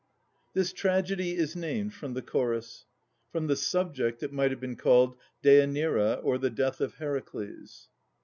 This tragedy is named from the Chorus. From the subject it might have been called 'Deanira or the Death of Heracles'.